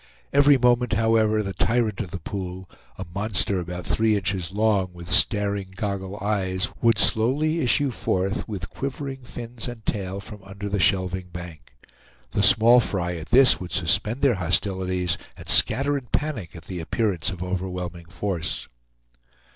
Every moment, however, the tyrant of the pool, a monster about three inches long, with staring goggle eyes, would slowly issue forth with quivering fins and tail from under the shelving bank. The small fry at this would suspend their hostilities, and scatter in a panic at the appearance of overwhelming force.